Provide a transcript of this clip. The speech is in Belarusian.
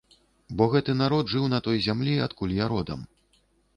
Бо гэты народ жыў на той зямлі, адкуль я родам.